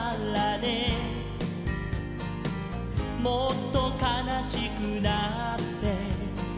「もっとかなしくなって」